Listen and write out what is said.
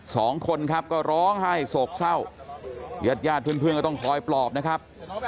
สองคนครับก็ร้องไห้โศกเศร้าญาติญาติเพื่อนเพื่อนก็ต้องคอยปลอบนะครับ